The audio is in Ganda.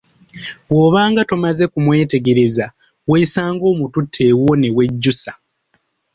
Bw'obaanga tomaze kumwetegereza weesanga omututte ewuwo ne wejjusa.